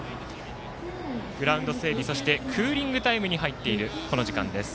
グラウンド整備、そしてクーリングタイムに入っているこの時間です。